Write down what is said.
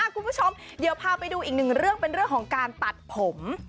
คุณผู้ชมเดี๋ยวพาไปดูอีกหนึ่งเรื่องเป็นเรื่องของการตัดผม